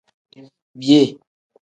Biyee.